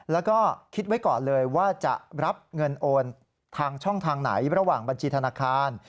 แล้วก็คิดไว้ก่อนเลยว่าจะรับเงินโอนทางช่องทางไหนระหว่างบัญชีธนาคาร